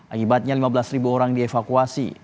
akibatnya lima belas orang dievakuasi